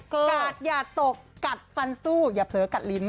กาดอย่าตกกัดฟันสู้อย่าเผลอกัดลิ้น